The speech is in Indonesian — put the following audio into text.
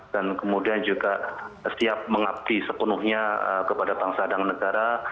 dan kemudian juga siap mengabdi sepenuhnya kepada bangsa dan negara